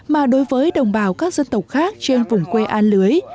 mà đối với đồng bào các dân tộc khác trên vùng quê a lưới